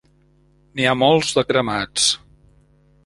N'hi ha molts de cremats.